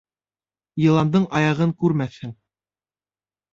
Йыландың аяғын күрмәҫһең.